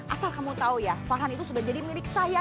asal kamu tahu ya farhan itu sudah jadi milik saya